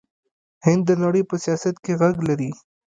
هند د نړۍ په سیاست کې غږ لري.